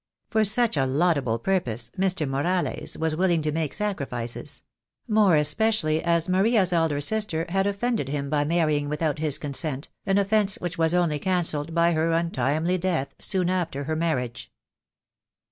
For such a laudable purpose Mr. Morales was willing to make sacrifices; more especially as Maria's elder sister had offended him by marrying without his consent, an offence which was only cancelled by her untimely death soon after her marriage.